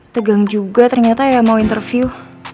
tegang juga ternyata ya mau interview